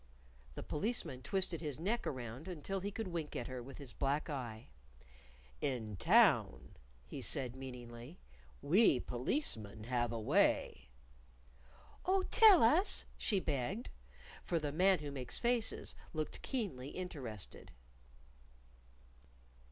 The Policeman twisted his neck around until he could wink at her with his black eye. "In town," said he meaningly, "we Policemen have a way." "Oh, tell us!" she begged. For the Man Who Makes Faces looked keenly interested.